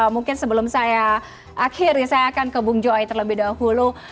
mungkin sebelum saya akhiri saya akan ke bung joy terlebih dahulu